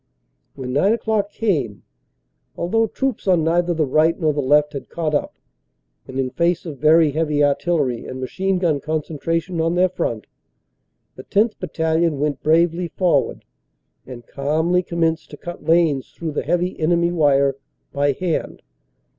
When 9 o clock came, although troops on neither the right nor the left had caught up, and in face of very heavy artillery and machine gun concentration on their front, the 10th. Battalion went bravely forward and calmly commenced to cut lanes 244 CANADA S HUNDRED DAYS through the heavy enemy wire by hand.